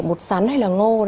bột sắn hay là ngô